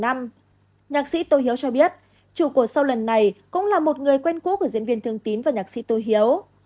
nhạc sĩ tô hiếu cho biết chủ của sâu lần này cũng là một người quen cũ của diễn viên thương tín và nhạc sĩ tô hiếu